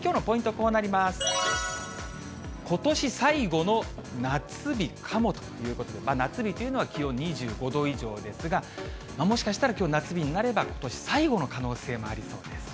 ことし最後の夏日かもということで、夏日というのは気温２５度以上ですが、もしかしたら、きょう、夏日になれば、ことし最後の可能性もありそうです。